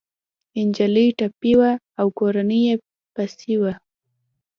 انجلۍ ټپي وه او کورنۍ يې پسې وه